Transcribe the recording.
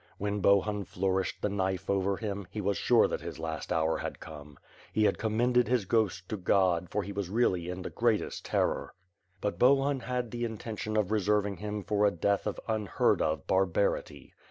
When Bohun flourished the knife over him, he was sure that his last hour had come. He had commended his ghost to God, for he was really in the greatest terror. But Bohun had the intention of reserving him for a death of unheard of barbarity.